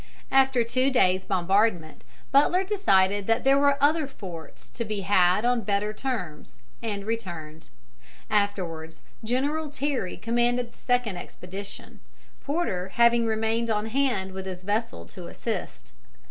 After two days' bombardment, Butler decided that there were other forts to be had on better terms, and returned. Afterwards General Terry commanded the second expedition, Porter having remained on hand with his vessels to assist.